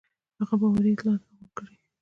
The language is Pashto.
هغه باوري اطلاعات راغونډ کړي.